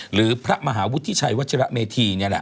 หรือพระมหาวุฒิชัยวัชระเมธี